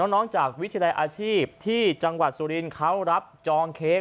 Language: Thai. จากวิทยาลัยอาชีพที่จังหวัดสุรินทร์เขารับจองเค้ก